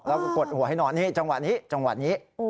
แล้วก็กดหัวให้นอนนี่จังหวะนี้จังหวะนี้